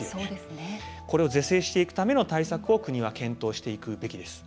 これを是正していくための対策を国は検討していくべきです。